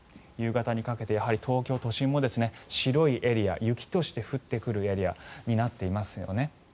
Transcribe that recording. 夕方にかけてやはり東京都心も白いエリア、雪として降ってくるエリアになっていますよね。